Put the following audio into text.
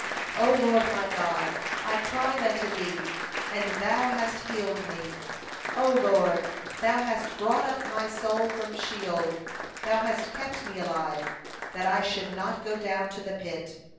O Lord my God, I cried unto Thee, and Thou hast healed me. O Lord, Thou hast brought up my soul from Sheol; Thou hast kept me alive, that I should not go down to the pit."